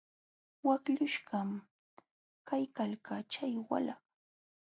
Waqlluśhqam kaykalkaa chay walah.